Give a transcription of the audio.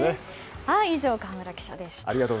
以上、河村記者でした。